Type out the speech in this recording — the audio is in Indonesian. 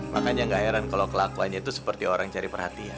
makanya gak heran kalau kelakuannya itu seperti orang cari perhatian